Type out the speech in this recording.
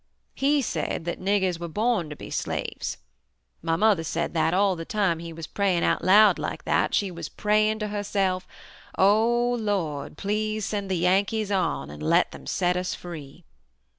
He said that 'Niggers were born to be slaves.' My mother said that all the time he was praying out loud like that, she was praying to herself: 'Oh, Lord, please send the Yankees on and let them set us free.'